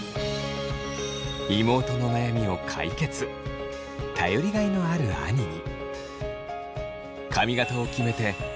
妹の悩みを解決頼りがいのある兄に。